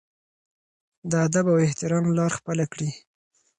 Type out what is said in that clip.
د ادب او احترام لار خپله کړي.